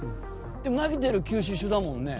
「でも投げてる球種一緒だもんね。